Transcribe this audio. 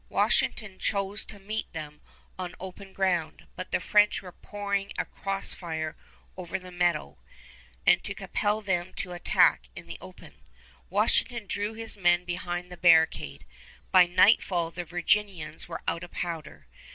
Washington chose to meet them on the open ground, but the French were pouring a cross fire over the meadow; and to compel them to attack in the open, Washington drew his men behind the barricade. By nightfall the Virginians were out of powder.